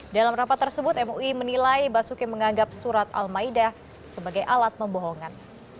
dalam rapat tersebut mui menilai basuki menganggap surat al maida sebagai alat pembohongan